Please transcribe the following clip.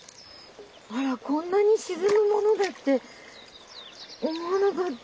あらこんなに沈むものだって思わなかった。